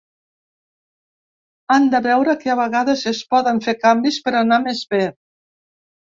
Han de veure que a vegades es poden fer canvis per anar més bé.